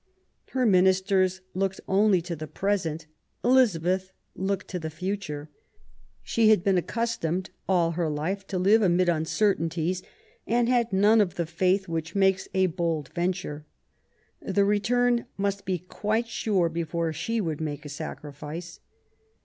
Her ministers looked only to the present ; Elizabeth looked to the future. She had been accustomed all her life to live amid un certainties, and had none of the faith which makes a bold venture. The return must be quite sure before she would make a sacrifice.